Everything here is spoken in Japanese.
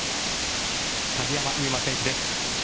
鍵山優真選手です。